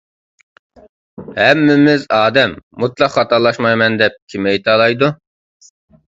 ھەممىمىز ئادەم. مۇتلەق خاتالاشمايمەن دەپ كىم ئېيتالايدۇ؟